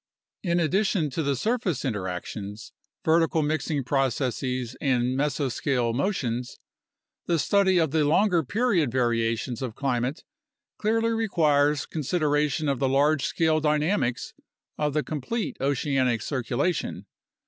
In addition to the surface interactions, vertical mixing processes, and mesoscale motions, the study of the longer period variations of climate clearly requires consideration of the large scale dynamics of the com plete oceanic circulation.